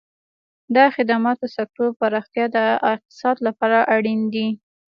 د خدماتو سکتور پراختیا د اقتصاد لپاره اړین دی.